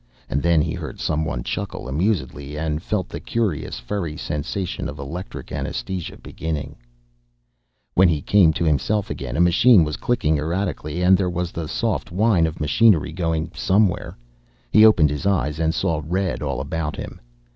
And then he heard someone chuckle amusedly and felt the curious furry sensation of electric anesthesia beginning.... When he came to himself again a machine was clicking erratically and there was the soft whine of machinery going somewhere. He opened his eyes and saw red all about him.